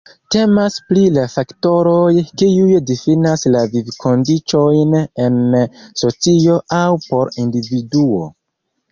Temas pri la faktoroj, kiuj difinas la vivkondiĉojn en socio aŭ por individuo.